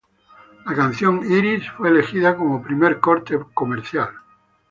La canción "Iris" fue elegida como primer corte comercial.